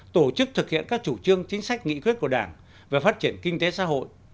tổ chức thực hiện các chủ trương chính sách nghị quyết của đảng về phát triển kinh tế xã hội